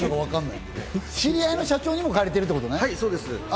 知り合いの社長にも借りてるってことね。